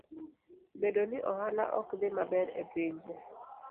Bedo ni ohala ok dhi maber e pinje